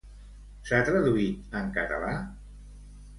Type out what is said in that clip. S'ha traduït en català?